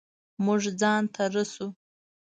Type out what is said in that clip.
مونږ ځان ته رسو